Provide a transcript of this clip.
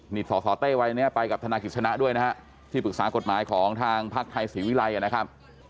นี่สสเต้วัยนี้ไปกับธนากิจชนะด้วยนะฮะที่ปรึกษากฎหมายของทางพักไทยศรีวิรัยนะครับ